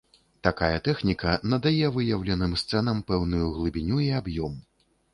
Такая тэхніка надае выяўленым сцэнам пэўную глыбіню і аб'ём.